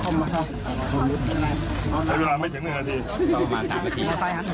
คอมรถครับใช้เวลาไม่ถึงหนึ่งนาทีประมาณสามนาที